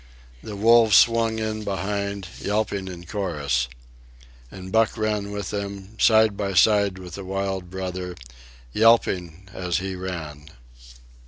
The wolves swung in behind, yelping in chorus. And Buck ran with them, side by side with the wild brother, yelping as he ran.